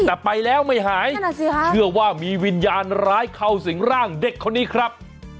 แต่ไปแล้วไม่หายนั่นแหละสิค่ะเชื่อว่ามีวิญญาณร้ายเข้าสิงร่างเด็กคนนี้ครับ